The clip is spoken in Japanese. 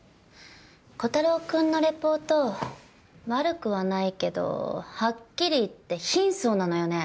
炬太郎くんのレポート悪くはないけどはっきり言って貧相なのよね。